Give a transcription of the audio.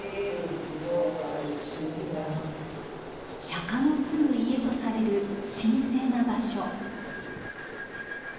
「釈の住む家」とされる神聖な場所。